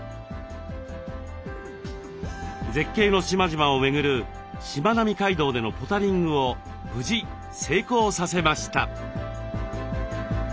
絶景の島々を巡るしまなみ海道でのポタリングを無事成功させました。